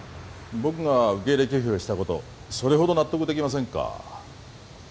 僕が受け入れ拒否したことそれほど納得できませんか？